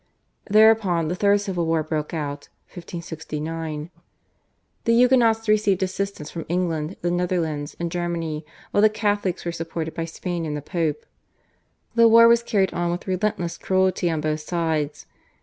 Thereupon the third civil war broke out (1569). The Huguenots received assistance from England, the Netherlands, and Germany, while the Catholics were supported by Spain and the Pope. The war was carried on with relentless cruelty on both sides.